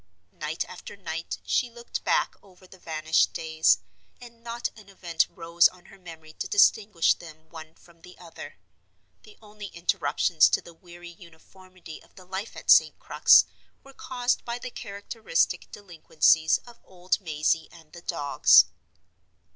Night after night she looked back over the vanished days, and not an event rose on her memory to distinguish them one from the other. The only interruptions to the weary uniformity of the life at St. Crux were caused by the characteristic delinquencies of old Mazey and the dogs.